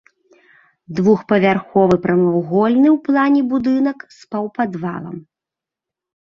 Двухпавярховы прамавугольны ў плане будынак з паўпадвалам.